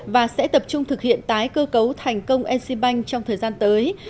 và sẽ tập trung thực hiện tái cơ cấu thành công exim bank trong thời gian tới